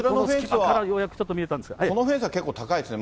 こちら、こちらのフェンスは結構高いですね。